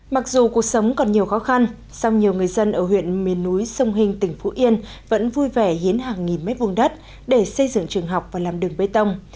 mặc dù cuộc sống còn nhiều khó khăn song nhiều người dân ở huyện miền núi sông hình tỉnh phú yên vẫn vui vẻ hiến hàng nghìn mét vuông đất để xây dựng trường học và làm đường bê tông